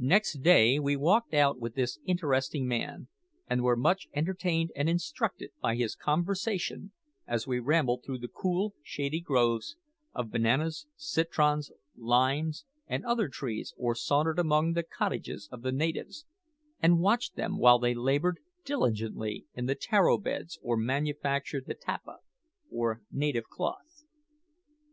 Next day we walked out with this interesting man, and were much entertained and instructed by his conversation as we rambled through the cool, shady groves of bananas, citrons, limes, and other trees, or sauntered among the cottages of the natives, and watched them while they laboured diligently in the taro beds or manufactured the tapa, or native cloth.